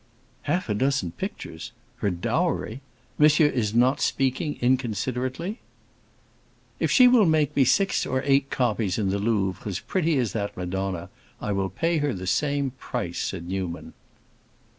"Half a dozen pictures—her dowry! Monsieur is not speaking inconsiderately?" "If she will make me six or eight copies in the Louvre as pretty as that Madonna, I will pay her the same price," said Newman.